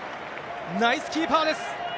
ナイスキーパーです。